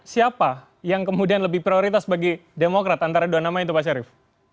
siapa yang kemudian lebih prioritas bagi demokrat antara dua nama itu pak syarif